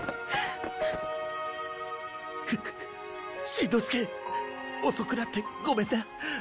しんのすけ遅くなってごめんな！